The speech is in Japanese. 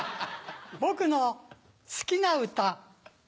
僕の好きな歌。